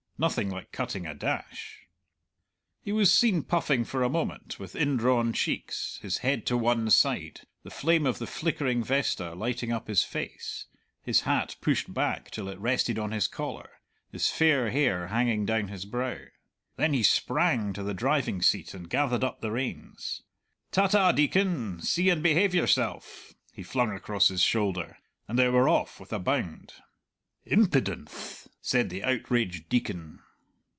Nothing like cutting a dash. He was seen puffing for a moment with indrawn cheeks, his head to one side, the flame of the flickering vesta lighting up his face, his hat pushed back till it rested on his collar, his fair hair hanging down his brow. Then he sprang to the driving seat and gathered up the reins. "Ta ta, Deacon; see and behave yourself!" he flung across his shoulder, and they were off with a bound. "Im pidenth!" said the outraged Deacon.